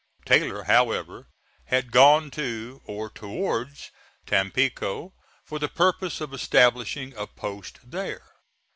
Taylor, however, had gone to, or towards Tampico, for the purpose of establishing a post there.